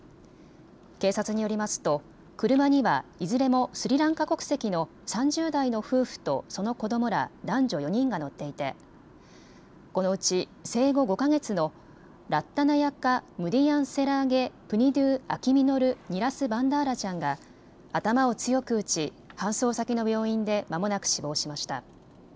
警察によりますと車にはいずれもスリランカ国籍の３０代の夫婦とその子どもら男女４人が乗っていてこのうち生後５か月のラッタナカヤ・ムディヤンセラーゲ・プニドゥ・アキミノル・ニラス・バンダーラちゃんが頭を強く打ち搬送先の病院でまもなく死亡しました。